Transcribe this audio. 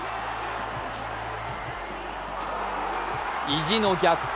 意地の逆転